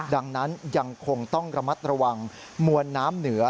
ดังนั้นยังคงต้องระมัดระวังมวลน้ำเหนือ